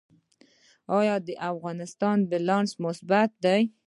آیا د افغانستان بیلانس مثبت دی؟